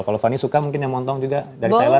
kalau fanny suka mungkin yang montong juga dari thailand